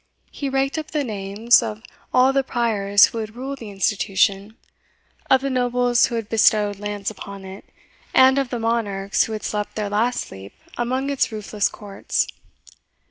He raked up the names of all the priors who had ruled the institution, of the nobles who had bestowed lands upon it, and of the monarchs who had slept their last sleep among its roofless courts.